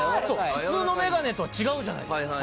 そう普通のメガネとは違うじゃないですか。